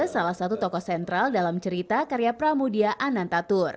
salah satu tokoh sentral dalam cerita karya pramudia anantatur